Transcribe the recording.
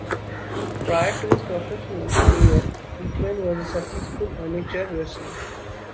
Prior to his professional career Pittman was a successful amateur wrestler.